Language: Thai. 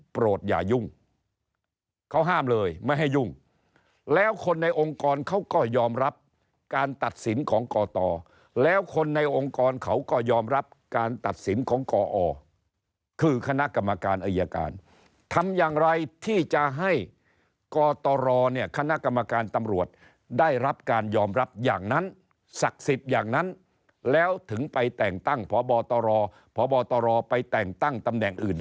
อย่ายุ่งเขาห้ามเลยไม่ให้ยุ่งแล้วคนในองค์กรเขาก็ยอมรับการตัดสินของกตแล้วคนในองค์กรเขาก็ยอมรับการตัดสินของกอคือคณะกรรมการอายการทำอย่างไรที่จะให้กตรเนี่ยคณะกรรมการตำรวจได้รับการยอมรับอย่างนั้นศักดิ์สิทธิ์อย่างนั้นแล้วถึงไปแต่งตั้งพบตรพบตรไปแต่งตั้งตำแหน่งอื่น